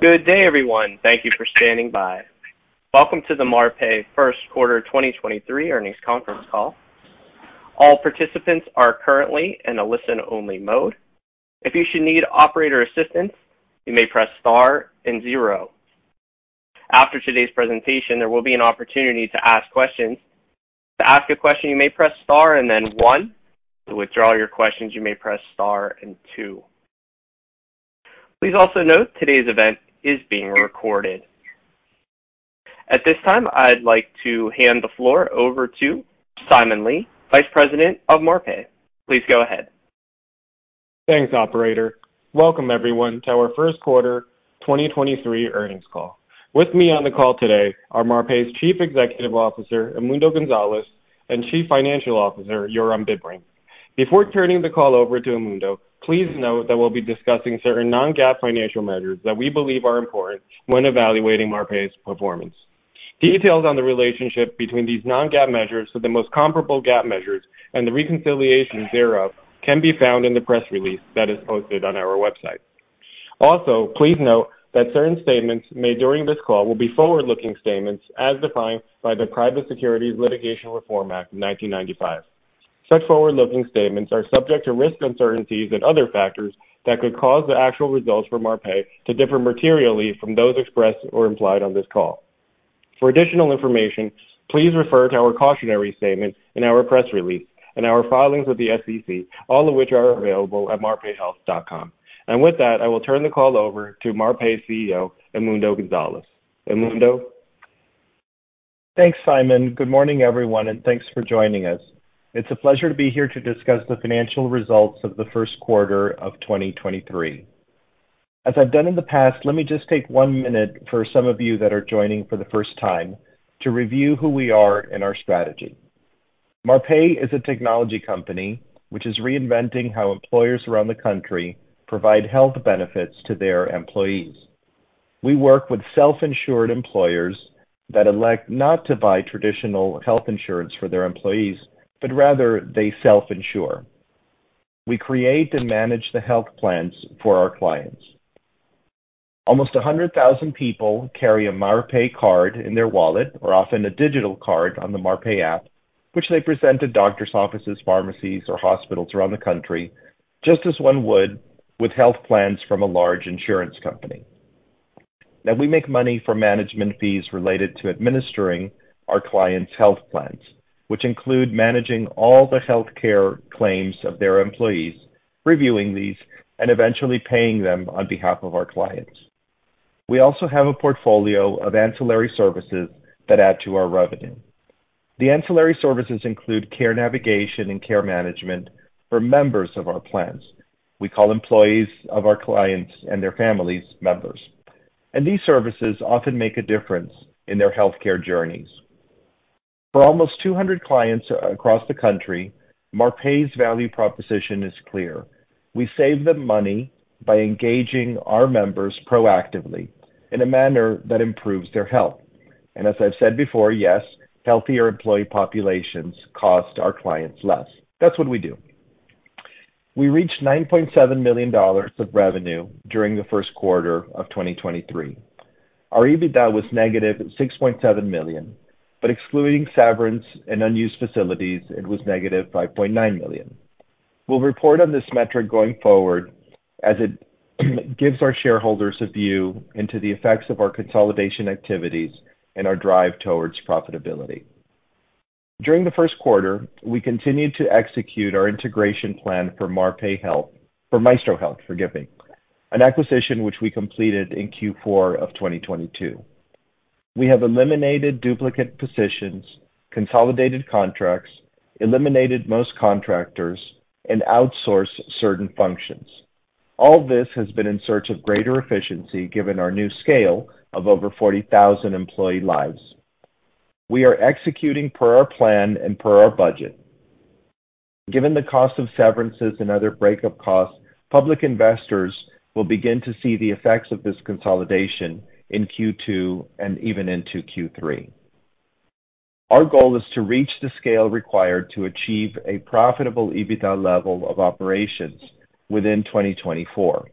Good day, everyone. Thank you for standing by. Welcome to the Marpai First Quarter 2023 earnings conference call. All participants are currently in a listen only mode. If you should need operator assistance, you may press star and zero. After today's presentation, there will be an opportunity to ask questions. To ask a question, you may press star and then one. To withdraw your questions, you may press star and two. Please also note today's event is being recorded. At this time, I'd like to hand the floor over to Simon Li, Vice President of Marpai. Please go ahead. Thanks, operator. Welcome everyone to our Q1 2023 earnings call. With me on the call today are Marpai's Chief Executive Officer, Edmundo Gonzalez, and Chief Financial Officer, Yoram Bibring. Before turning the call over to Edmundo, please note that we'll be discussing certain non-GAAP financial measures that we believe are important when evaluating Marpai's performance. Details on the relationship between these non-GAAP measures to the most comparable GAAP measures and the reconciliation thereof can be found in the press release that is posted on our website. Please note that certain statements made during this call will be forward-looking statements as defined by the Private Securities Litigation Reform Act of 1995. Such forward-looking statements are subject to risks, uncertainties and other factors that could cause the actual results for Marpai to differ materially from those expressed or implied on this call. For additional information, please refer to our cautionary statements in our press release and our filings with the SEC, all of which are available at marpaihealth.com. With that, I will turn the call over to Marpai CEO, Edmundo Gonzalez. Edmundo. Thanks, Simon. Good morning, everyone, and thanks for joining us. It's a pleasure to be here to discuss the financial results of the Q1 of 2023. As I've done in the past, let me just take one minute for some of you that are joining for the first time to review who we are and our strategy. Marpai is a technology company which is reinventing how employers around the country provide health benefits to their employees. We work with self-insured employers that elect not to buy traditional health insurance for their employees, but rather they self-insure. We create and manage the health plans for our clients. Almost 100,000 people carry a Marpai card in their wallet or often a digital card on the Marpai app, which they present to doctors offices, pharmacies, or hospitals around the country, just as one would with health plans from a large insurance company. Now, we make money from management fees related to administering our clients' health plans, which include managing all the healthcare claims of their employees, reviewing these, and eventually paying them on behalf of our clients. We also have a portfolio of ancillary services that add to our revenue. The ancillary services include care navigation and care management for members of our plans. We call employees of our clients and their families members, and these services often make a difference in their healthcare journeys. For almost 200 clients across the country, Marpai's value proposition is clear. We save them money by engaging our members proactively in a manner that improves their health. As I've said before, yes, healthier employee populations cost our clients less. That's what we do. We reached $9.7 million of revenue during the Q1 of 2023. Our EBITDA was negative $6.7 million, but excluding severance and unused facilities, it was negative $5.9 million. We'll report on this metric going forward as it gives our shareholders a view into the effects of our consolidation activities and our drive towards profitability. During the Q1, we continued to execute our integration plan for Maestro Health, forgive me, an acquisition which we completed in Q4 of 2022. We have eliminated duplicate positions, consolidated contracts, eliminated most contractors, and outsourced certain functions. All this has been in search of greater efficiency, given our new scale of over 40,000 employee lives. We are executing per our plan and per our budget. Given the cost of severances and other breakup costs, public investors will begin to see the effects of this consolidation in Q2 and even into Q3. Our goal is to reach the scale required to achieve a profitable EBITDA level of operations within 2024.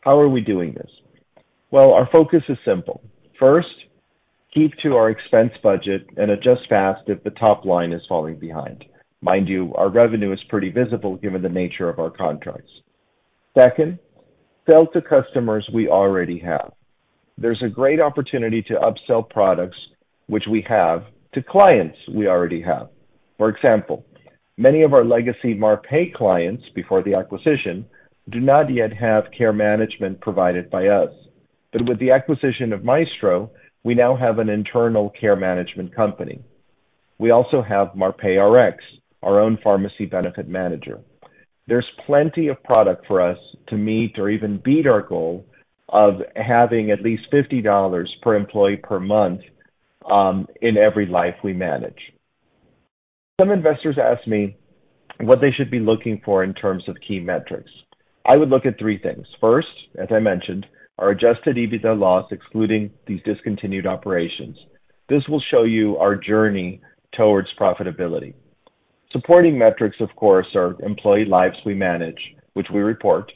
How are we doing this? Our focus is simple. First, keep to our expense budget and adjust fast if the top line is falling behind. Mind you, our revenue is pretty visible given the nature of our contracts. Second, sell to customers we already have. There's a great opportunity to upsell products which we have to clients we already have. For example, many of our legacy Marpai clients before the acquisition do not yet have care management provided by us. With the acquisition of Maestro Health, we now have an internal care management company. We also have MarpaiRx, our own pharmacy benefit manager. There's plenty of product for us to meet or even beat our goal of having at least $50 per employee per month in every life we manage. Some investors ask me what they should be looking for in terms of key metrics. I would look at three things. First, as I mentioned, our adjusted EBITDA loss, excluding these discontinued operations. This will show you our journey towards profitability. Supporting metrics, of course, are employee lives we manage, which we report,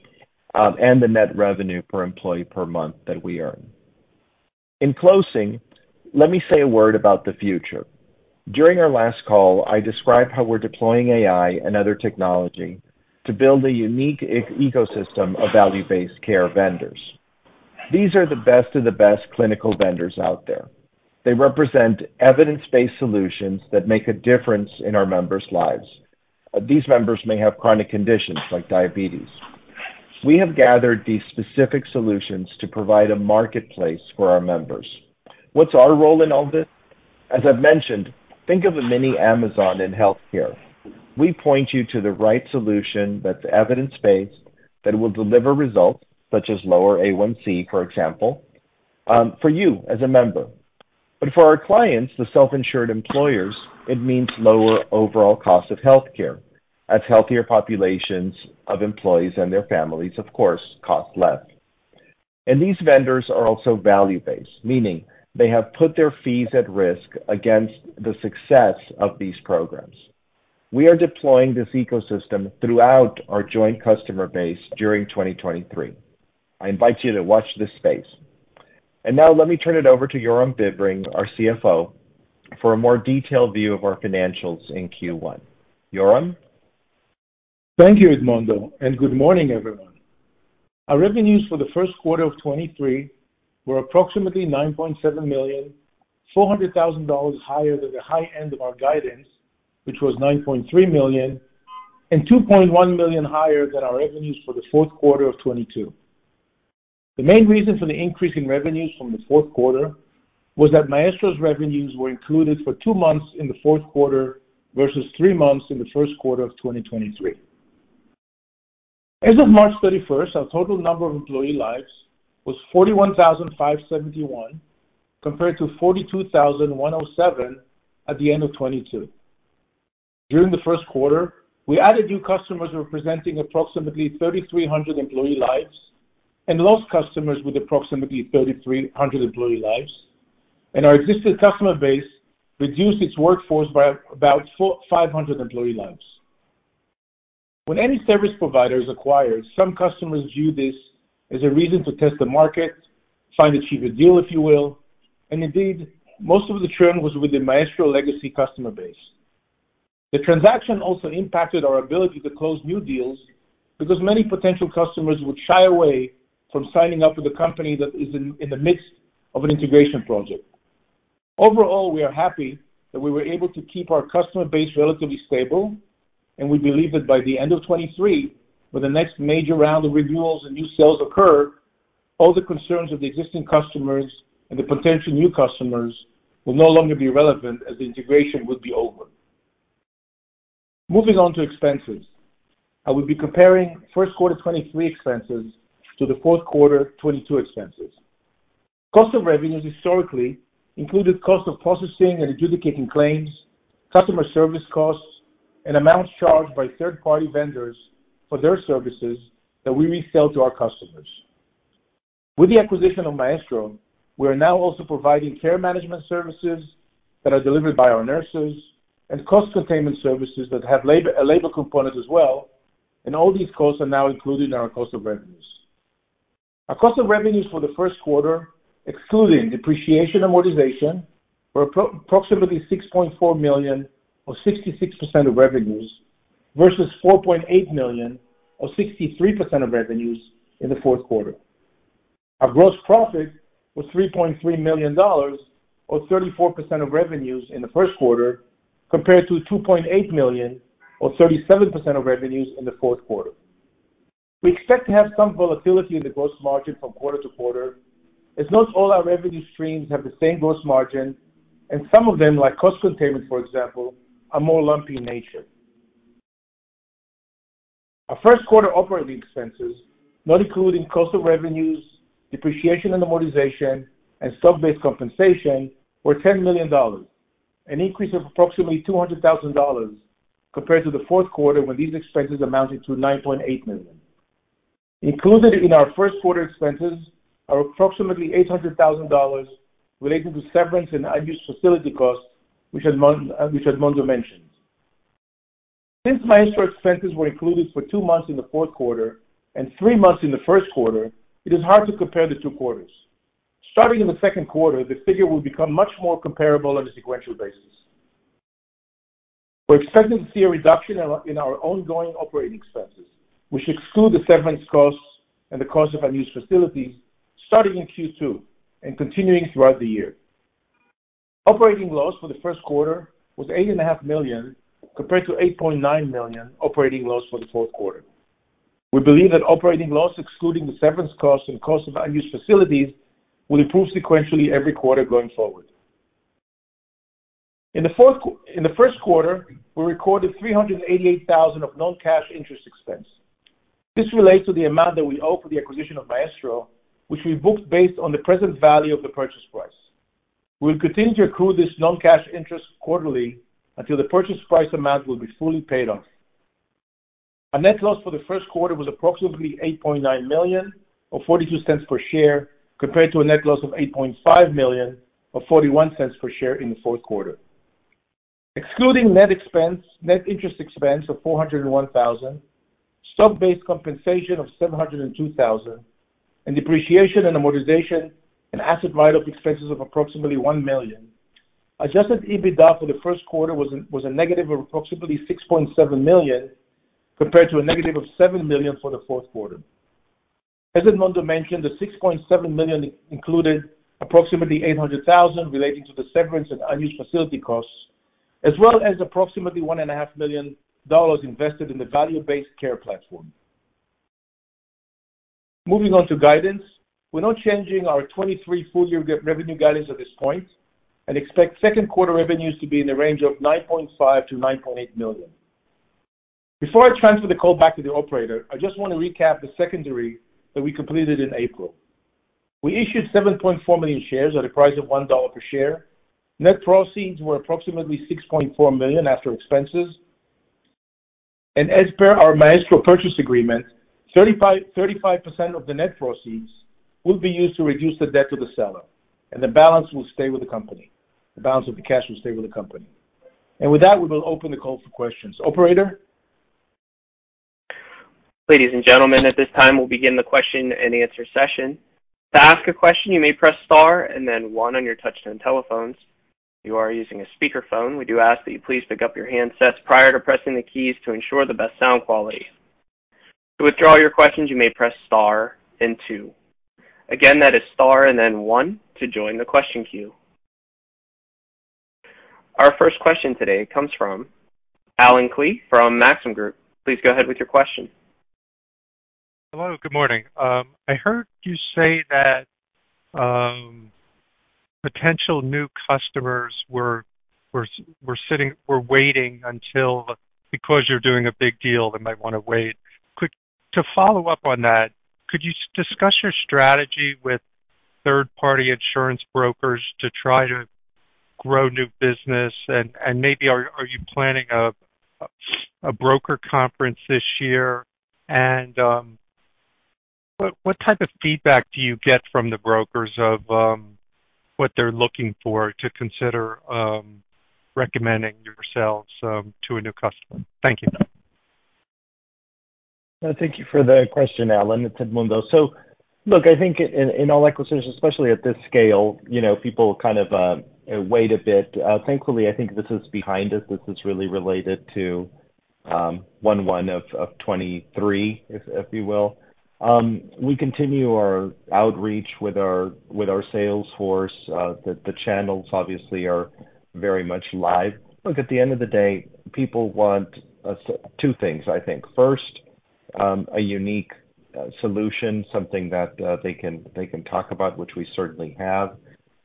and the net revenue per employee per month that we earn. In closing, let me say a word about the future. During our last call, I described how we're deploying AI and other technology to build a unique ecosystem of value-based care vendors. These are the best of the best clinical vendors out there. They represent evidence-based solutions that make a difference in our members' lives. These members may have chronic conditions like diabetes. We have gathered these specific solutions to provide a marketplace for our members. What's our role in all this? As I've mentioned, think of a mini Amazon in healthcare. We point you to the right solution that's evidence-based, that will deliver results such as lower A1C, for example, for you as a member. For our clients, the self-insured employers, it means lower overall cost of healthcare as healthier populations of employees and their families, of course, cost less. These vendors are also value-based, meaning they have put their fees at risk against the success of these programs. We are deploying this ecosystem throughout our joint customer base during 2023. I invite you to watch this space. Now let me turn it over to Yoram Bibring, our CFO, for a more detailed view of our financials in Q1. Yoram? Thank you, Edmundo, good morning, everyone. Our revenues for the Q1 of 2023 were approximately $9.7 million, $400,000 higher than the high end of our guidance, which was $9.3 million, and $2.1 million higher than our revenues for the Q4 of 2022. The main reason for the increase in revenues from the Q4 was that Maestro Health's revenues were included for two months in the Q4 versus three months in the Q1 of 2023. As of March 31st, our total number of employee lives was 41,571, compared to 42,107 at the end of 2022. During the Q1, we added new customers representing approximately 3,300 employee lives and lost customers with approximately 3,300 employee lives. Our existing customer base reduced its workforce by about 400-500 employee lives. When any service provider is acquired, some customers view this as a reason to test the market, find a cheaper deal, if you will. Indeed, most of the churn was with the Maestro legacy customer base. The transaction also impacted our ability to close new deals because many potential customers would shy away from signing up with a company that is in the midst of an integration project. Overall, we are happy that we were able to keep our customer base relatively stable, and we believe that by the end of 2023, when the next major round of renewals and new sales occur, all the concerns of the existing customers and the potential new customers will no longer be relevant as the integration will be over. Moving on to expenses, I will be comparing Q1 2023 expenses to the Q4 2022 expenses. Cost of revenues historically included cost of processing and adjudicating claims, customer service costs, and amounts charged by third-party vendors for their services that we resell to our customers. With the acquisition of Maestro, we are now also providing care management services that are delivered by our nurses and cost containment services that have a labor component as well. All these costs are now included in our cost of revenues. Our cost of revenues for the Q1, excluding depreciation and amortization, were approximately $6.4 million or 66% of revenues, versus $4.8 million or 63% of revenues in the Q4. Our gross profit was $3.3 million or 34% of revenues in the Q1, compared to $2.8 million or 37% of revenues in the Q4. We expect to have some volatility in the gross margin from quarter-to-quarter. Most all our revenue streams have the same gross margin, and some of them, like cost containment for example, are more lumpy in nature. Our Q1 operating expenses, not including cost of revenues, depreciation and amortization, and stock-based compensation, were $10 million, an increase of approximately $200,000 compared to the Q4 when these expenses amounted to $9.8 million. Included in our Q1 expenses are approximately $800,000 related to severance and unused facility costs, which Edmundo mentioned. Since Maestro expenses were included for two months in the Q4 and three months in the Q1, it is hard to compare the two quarters. Starting in the Q2, the figure will become much more comparable on a sequential basis. We're expecting to see a reduction in our ongoing operating expenses, which exclude the severance costs and the cost of unused facilities starting in Q2 and continuing throughout the year. Operating loss for the Q1 was $8.5 million, compared to $8.9 million operating loss for the Q4. We believe that operating loss, excluding the severance costs and cost of unused facilities, will improve sequentially every quarter going forward. In the Q1, we recorded $388,000 of non-cash interest expense. This relates to the amount that we owe for the acquisition of Maestro, which we booked based on the present value of the purchase price. We'll continue to accrue this non-cash interest quarterly until the purchase price amount will be fully paid off. Our net loss for the Q1 was approximately $8.9 million or $0.42 per share compared to a net loss of $8.5 million or $0.41 per share in the Q4. Excluding net expense, net interest expense of $401,000, stock-based compensation of $702,000, and depreciation and amortization and asset write-off expenses of approximately $1 million. Adjusted EBITDA for the Q1 was a negative of approximately $6.7 million compared to a negative of $7 million for the Q4. As Edmundo mentioned, the $6.7 million included approximately $800,000 relating to the severance and unused facility costs, as well as approximately $1.5 million dollars invested in the value-based care platform. Moving on to guidance. We're not changing our 2023 full year revenue guidance at this point and expect Q2 revenues to be in the range of $9.5 million-$9.8 million. Before I transfer the call back to the operator, I just want to recap the secondary that we completed in April. We issued 7.4 million shares at a price of $1 per share. Net proceeds were approximately $6.4 million after expenses. As per our Maestro purchase agreement, 35% of the net proceeds will be used to reduce the debt to the seller, and the balance will stay with the company. The balance of the cash will stay with the company. With that, we will open the call for questions. Operator? Ladies and gentlemen, at this time, we'll begin the Q&A session. To ask a question, you may press star and then one on your touch-tone telephones. If you are using a speakerphone, we do ask that you please pick up your handsets prior to pressing the keys to ensure the best sound quality. To withdraw your questions, you may press star then two. Again, that is star and then one to join the question queue. Our first question today comes from Allen Klee from Maxim Group. Please go ahead with your question. Hello, good morning. I heard you say that potential new customers were sitting, were waiting until because you're doing a big deal, they might wanna wait. To follow up on that, could you discuss your strategy with third-party insurance brokers to try to grow new business? Maybe are you planning a broker conference this year? What type of feedback do you get from the brokers of what they're looking for to consider recommending yourselves to a new customer? Thank you. Thank you for the question, Allen. It's Edmundo. Look, I think in all acquisitions, especially at this scale, you know, people kind of wait a bit. Thankfully, I think this is behind us. This is really related to one of 2023, if you will. We continue our outreach with our, with our sales force. The channels obviously are very much live. Look, at the end of the day, people want two things, I think. First, a unique solution, something that they can talk about, which we certainly have.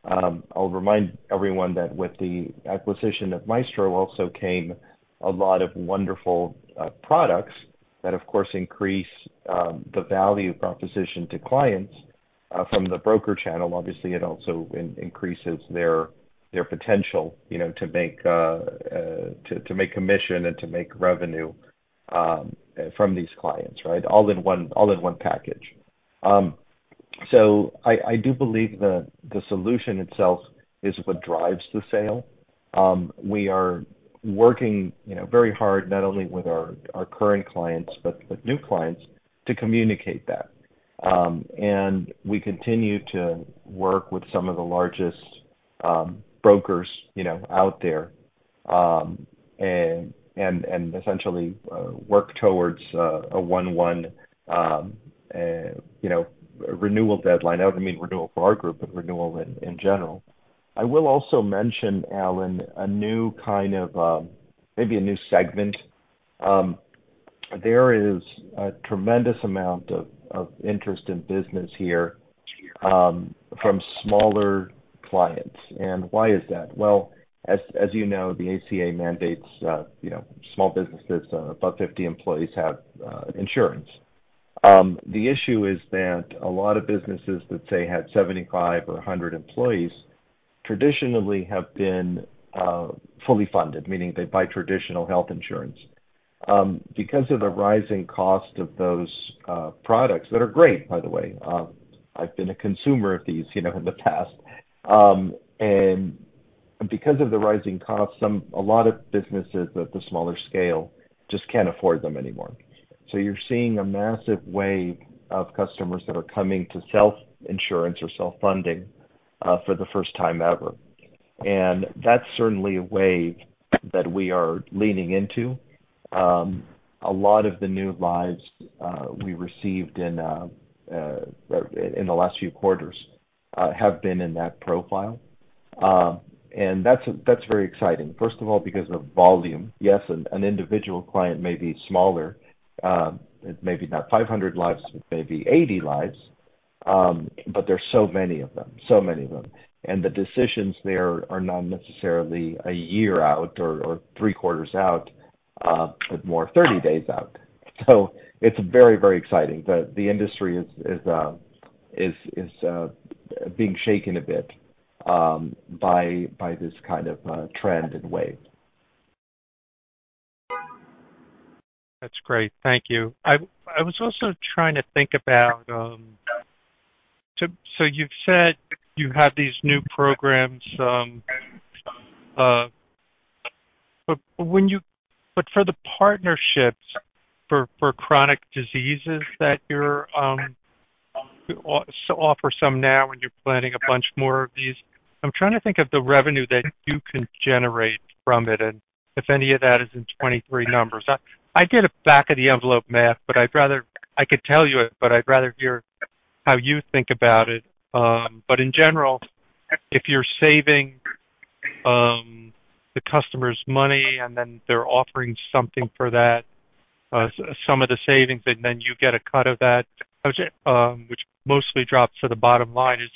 I'll remind everyone that with the acquisition of Maestro also came a lot of wonderful products that of course increase the value proposition to clients from the broker channel. Obviously, it also increases their potential, you know, to make commission and to make revenue from these clients, right? All in one package. I do believe the solution itself is what drives the sale. We are working, you know, very hard not only with our current clients, but with new clients to communicate that. We continue to work with some of the largest brokers, you know, out there, and essentially work towards a 1:1, you know, renewal deadline. I don't mean renewal for our group, but renewal in general. I will also mention, Allen, a new kind of, maybe a new segment. There is a tremendous amount of interest in business here from smaller clients. Why is that? Well, as you know, the ACA mandates, you know, small businesses above 50 employees have insurance. The issue is that a lot of businesses that, say, had 75 or 100 employees traditionally have been fully funded, meaning they buy traditional health insurance. Because of the rising cost of those products, that are great, by the way, I've been a consumer of these, you know, in the past. Because of the rising costs, a lot of businesses at the smaller scale just can't afford them anymore. You're seeing a massive wave of customers that are coming to self-insurance or self-funding for the first time ever. That's certainly a wave that we are leaning into. A lot of the new lives, we received in the last few quarters, have been in that profile. That's very exciting. First of all, because of volume. Yes, an individual client may be smaller, it may be not 500 lives, it may be 80 lives, but there's so many of them, so many of them. The decisions there are not necessarily a year out or three quarters out, but more 30 days out. It's very, very exciting. The industry is being shaken a bit. By this kind of trend and wave. That's great. Thank you. I was also trying to think about. You've said you have these new programs, but for the partnerships for chronic diseases that you're offer some now, and you're planning a bunch more of these. I'm trying to think of the revenue that you can generate from it and if any of that is in 23 numbers. I get a back of the envelope math, but I could tell you it, but I'd rather hear how you think about it. In general, if you're saving the customers money, and then they're offering something for that, some of the savings, and then you get a cut of that, which mostly drops to the bottom line. Is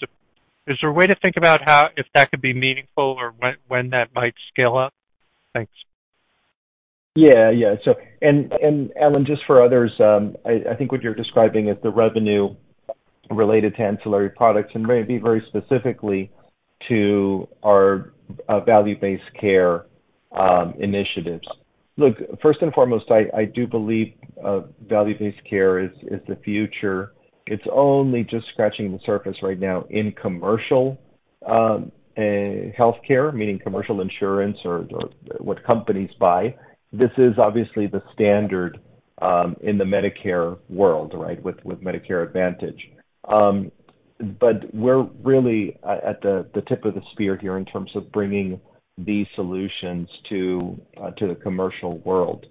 there a way to think about how if that could be meaningful or when that might scale up? Thanks. Yeah. Yeah. And Allen, just for others, I think what you're describing is the revenue related to ancillary products and maybe very specifically to our value-based care initiatives. Look, first and foremost, I do believe value-based care is the future. It's only just scratching the surface right now in commercial healthcare, meaning commercial insurance or what companies buy. This is obviously the standard in the Medicare world, right? With Medicare Advantage. We're really at the tip of the spear here in terms of bringing these solutions to the commercial world.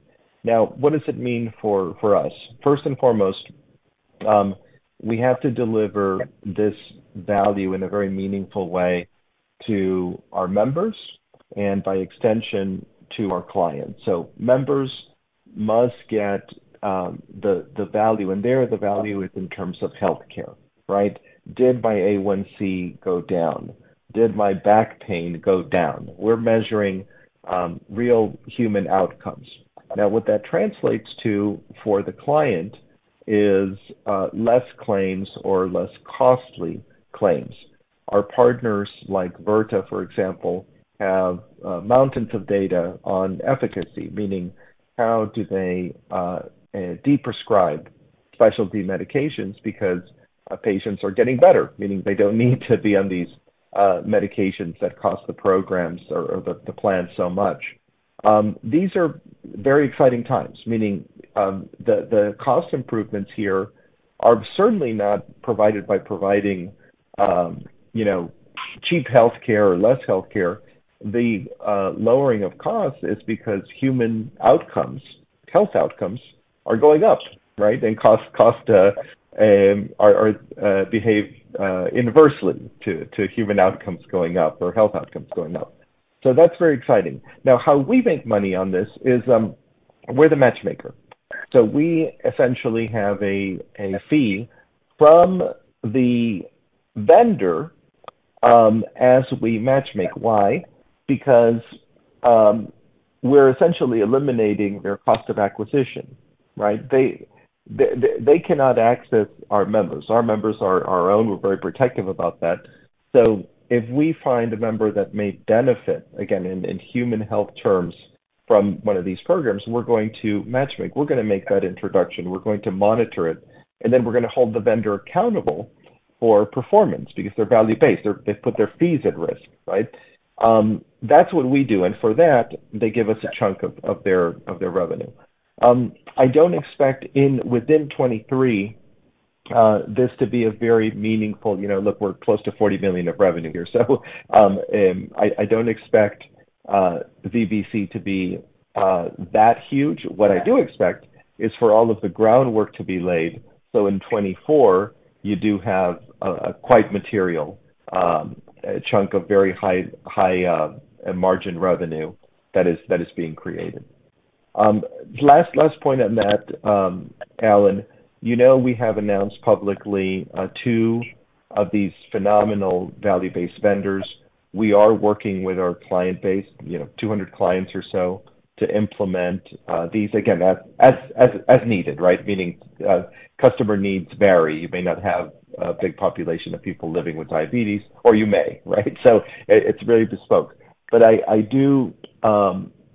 Now, what does it mean for us? First and foremost, we have to deliver this value in a very meaningful way to our members and by extension, to our clients. Members must get the value. There, the value is in terms of healthcare, right? Did my A1C go down? Did my back pain go down? We're measuring real human outcomes. Now, what that translates to for the client is less claims or less costly claims. Our partners, like Virta Health, for example, have mountains of data on efficacy, meaning how do they deprescribe specialty medications because our patients are getting better, meaning they don't need to be on these medications that cost the programs or the plan so much. These are very exciting times, meaning, the cost improvements here are certainly not provided by providing, you know, cheap healthcare or less healthcare. The lowering of costs is because human outcomes, health outcomes are going up, right? Costs are behave inversely to human outcomes going up or health outcomes going up. That's very exciting. Now, how we make money on this is, we're the matchmaker. We essentially have a fee from the vendor as we match make. Why? Because we're essentially eliminating their cost of acquisition, right? They cannot access our members. Our members are our own. We're very protective about that. If we find a member that may benefit, again, in human health terms from one of these programs, we're going to match make. We're gonna make that introduction, we're going to monitor it, and then we're gonna hold the vendor accountable for performance because they're value based. They put their fees at risk, right? That's what we do. For that, they give us a chunk of their revenue. I don't expect within 2023 this to be a very meaningful, you know. Look, we're close to $40 million of revenue here, so I don't expect VBC to be that huge. What I do expect is for all of the groundwork to be laid, so in 2024 you do have a quite material chunk of very high margin revenue that is being created. Last point on that, Allen. You know, we have announced publicly two of these phenomenal value-based vendors. We are working with our client base, you know, 200 clients or so to implement these again as needed, right? Meaning, customer needs vary. You may not have a big population of people living with diabetes, or you may, right? It's very bespoke. I do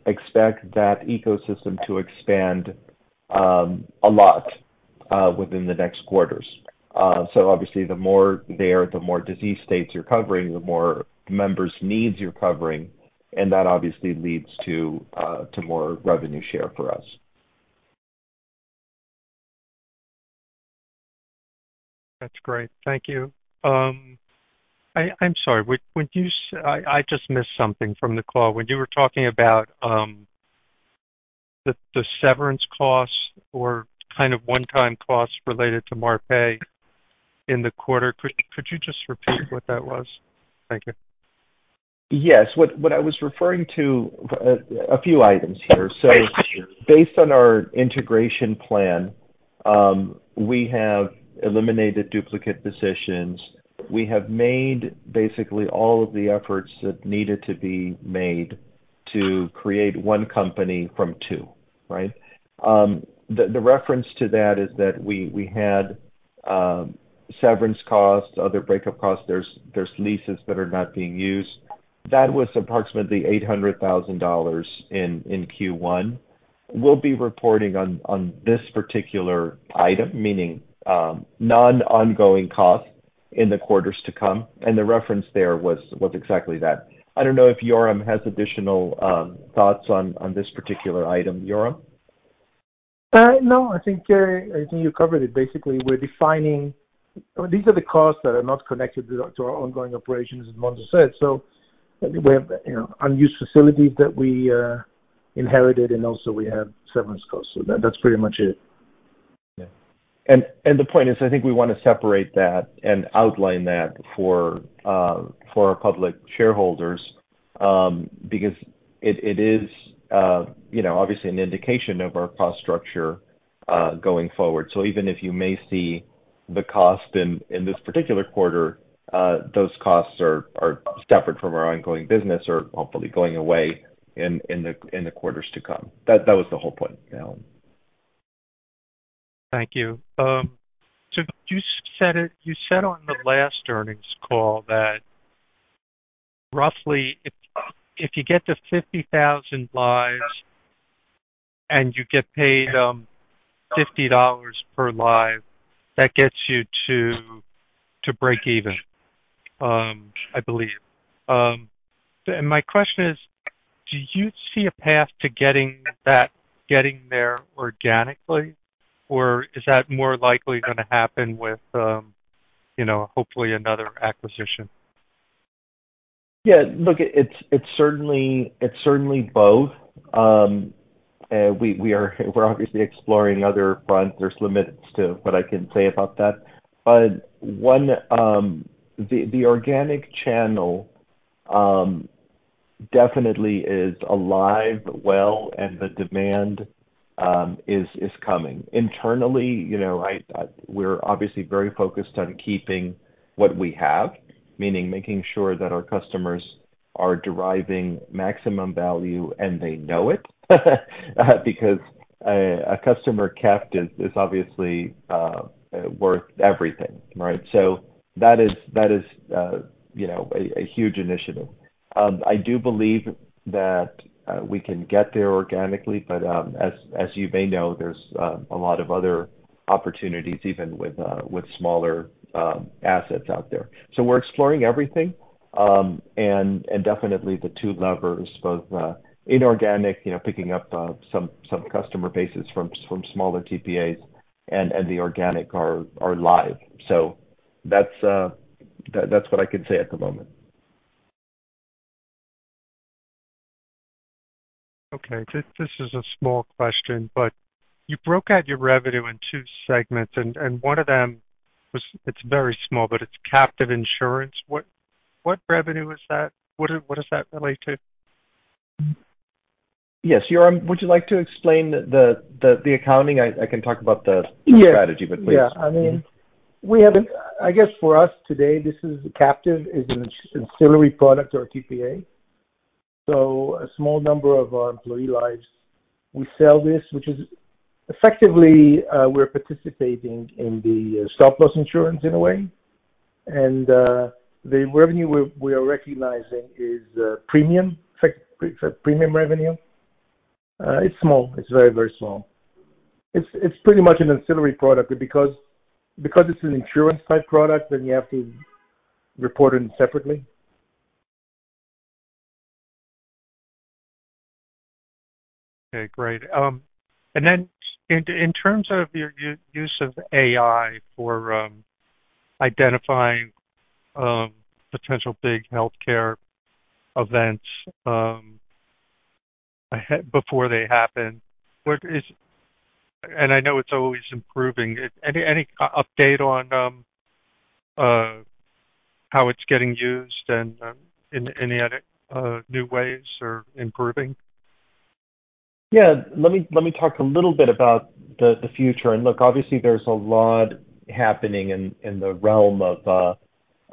expect that ecosystem to expand a lot within the next quarters. Obviously the more there, the more disease states you're covering, the more members' needs you're covering, and that obviously leads to more revenue share for us. That's great. Thank you. I'm sorry, I just missed something from the call. When you were talking about the severance costs or kind of one-time costs related to Marpai in the quarter, could you just repeat what that was? Thank you. Yes. What I was referring to, a few items here. Right. Based on our integration plan, we have eliminated duplicate positions. We have made basically all of the efforts that needed to be made to create one company from two, right? The reference to that is that we had severance costs, other breakup costs. There's leases that are not being used. That was approximately $800,000 in Q1. We'll be reporting on this particular item, meaning non-ongoing costs in the quarters to come, and the reference there was exactly that. I don't know if Yoram has additional thoughts on this particular item. Yoram? No, I think you covered it. Basically, we're defining. These are the costs that are not connected to our ongoing operations, as Mond said. We have, you know, unused facilities that we inherited, and also we have severance costs. That's pretty much it. The point is, I think we wanna separate that and outline that for our public shareholders, because it is, you know, obviously an indication of our cost structure going forward. Even if you may see the cost in this particular quarter, those costs are separate from our ongoing business or hopefully going away in the quarters to come. That was the whole point. Thank you. You said on the last earnings call that roughly if you get to 50,000 lives and you get paid $50 per life, that gets you to break even, I believe. My question is, do you see a path to getting there organically, or is that more likely gonna happen with, you know, hopefully another acquisition? Yeah. Look, it's certainly both. We're obviously exploring other fronts. There's limits to what I can say about that. One, the organic channel definitely is alive, well, and the demand is coming. Internally, you know, we're obviously very focused on keeping what we have. Meaning making sure that our customers are deriving maximum value, and they know it. because a customer kept is obviously worth everything, right? That is, you know, a huge initiative. I do believe that we can get there organically, but as you may know, there's a lot of other opportunities even with smaller assets out there. We're exploring everything, and definitely the two levers, both inorganic, you know, picking up some customer bases from smaller TPAs and the organic are live. That's what I can say at the moment. Okay. This is a small question, but you broke out your revenue in two segments, and one of them was, it's very small, but it's captive insurance. What revenue is that? What does that relate to? Yes. Yoram, would you like to explain the accounting? I can talk about. Yeah. Strategy, but please. Yeah. I mean, I guess for us today, this is captive is an ancillary product or a TPA. A small number of our employee lives, we sell this, which is effectively, we're participating in the stop-loss insurance in a way. The revenue we're recognizing is premium, pre-premium revenue. It's small. It's very, very small. It's pretty much an ancillary product because it's an insurance type product, then you have to report it separately. Okay, great. In terms of your use of AI for identifying potential big healthcare events before they happen, what is? I know it's always improving. Any update on how it's getting used and any other new ways or improving? Yeah. Let me, let me talk a little bit about the future. Look, obviously there's a lot happening in the realm of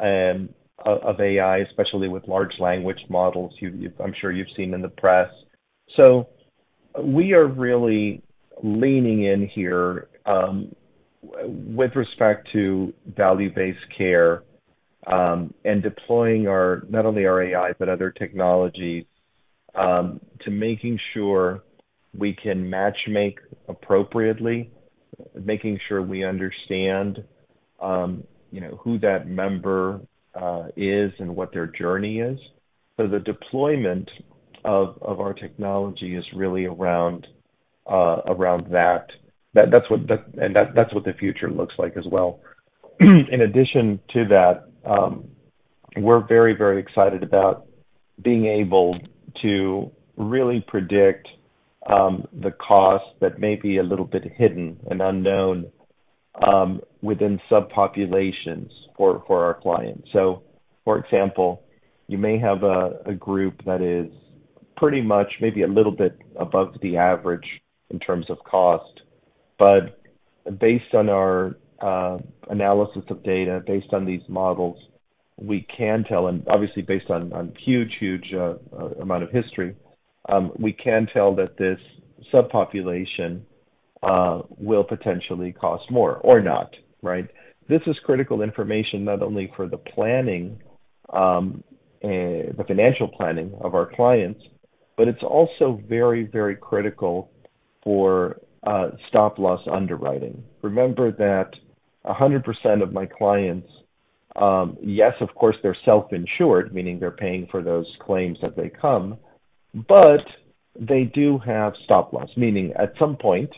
AI, especially with large language models, I'm sure you've seen in the press. We are really leaning in here, with respect to value-based care, and deploying our, not only our AI, but other technologies, to making sure we can match-make appropriately, making sure we understand, you know, who that member is and what their journey is. The deployment of our technology is really around that. That's what the future looks like as well. In addition to that, we're very, very excited about being able to really predict the cost that may be a little bit hidden and unknown within subpopulations for our clients. For example, you may have a group that is pretty much maybe a little bit above the average in terms of cost. Based on our analysis of data, based on these models, we can tell and obviously based on huge, huge amount of history, we can tell that this subpopulation will potentially cost more or not, right. This is critical information not only for the planning, the financial planning of our clients, but it's also very, very critical for stop loss underwriting. Remember that 100% of my clients, yes, of course, they're self-insured, meaning they're paying for those claims as they come, but they do have stop loss. Meaning at some point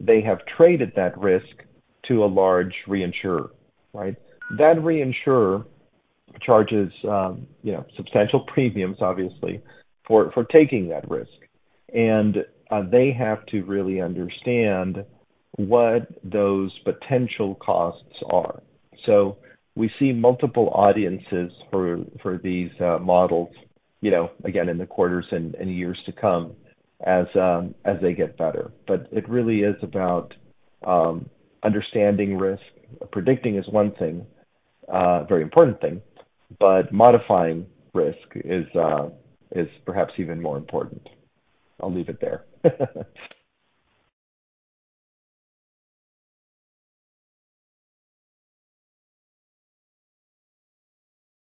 they have traded that risk to a large reinsurer, right? That reinsurer charges, you know, substantial premiums obviously for taking that risk. They have to really understand what those potential costs are. We see multiple audiences for these models, you know, again, in the quarters and in years to come as they get better. It really is about understanding risk. Predicting is one thing, very important thing, but modifying risk is perhaps even more important. I'll leave it there.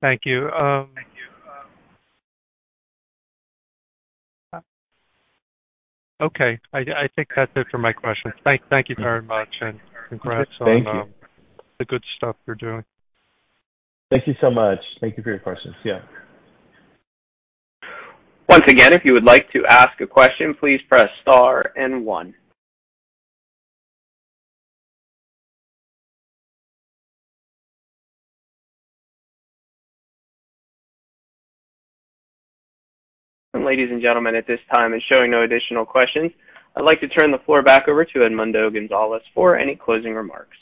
Thank you. Okay. I think that's it for my questions. Thank you very much and congrats on. Thank you. The good stuff you're doing. Thank you so much. Thank you for your questions. Yeah. Once again, if you would like to ask a question, please press star and one. Ladies and gentlemen, at this time it's showing no additional questions. I'd like to turn the floor back over to Edmundo Gonzalez for any closing remarks.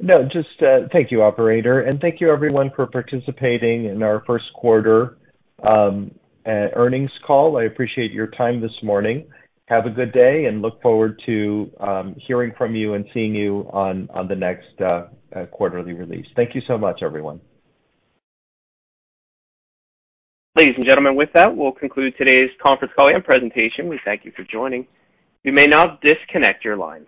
No, just, thank you, operator, and thank you everyone for participating in our Q1 earnings call. I appreciate your time this morning. Have a good day, and look forward to hearing from you and seeing you on the next quarterly release. Thank you so much, everyone. Ladies and gentlemen, with that, we'll conclude today's conference call and presentation. We thank you for joining. You may now disconnect your lines.